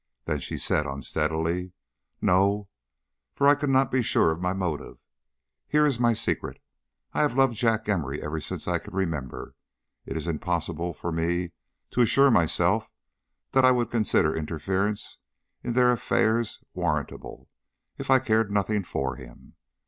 Then she said unsteadily: "No; for I could not be sure of my motive. Here is my secret. I have loved Jack Emory ever since I can remember. It is impossible for me to assure myself that I would consider interference in their affairs warrantable if I cared nothing for him.